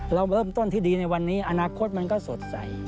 เราเริ่มต้นที่ดีในวันที่สุด